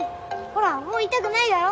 ほらもう痛くないだろ？